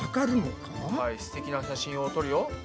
はいすてきな写真を撮るよ。